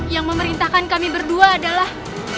yang memerintahkan kami berdua adalah